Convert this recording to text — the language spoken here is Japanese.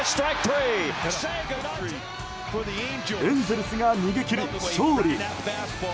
エンゼルスが逃げ切り、勝利。